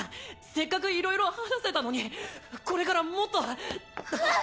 せっかくいろいろ話せたのにこれからもっと。あっ！